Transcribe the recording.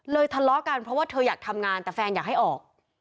ทะเลาะกันเพราะว่าเธออยากทำงานแต่แฟนอยากให้ออก